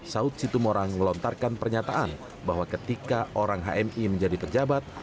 saud situmorang melontarkan pernyataan bahwa ketika orang hmi menjadi pejabat